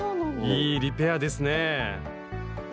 いいリペアですねねえ